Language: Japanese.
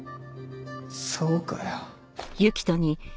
そうかよ。